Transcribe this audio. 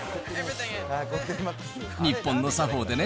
日本の作法でね。